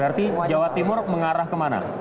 jadi jawa timur mengarah ke mana